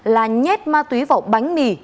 là nhét ma túy vào bánh mì